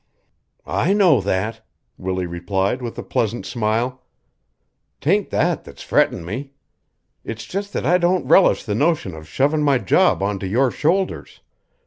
"I know that," Willie replied with a pleasant smile. "'Tain't that that's frettin' me. It's just that I don't relish the notion of shovin' my job onto your shoulders.